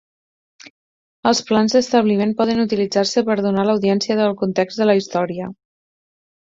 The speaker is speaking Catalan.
Els plans d'establiment poden utilitzar-se per donar a l'audiència el context de la història.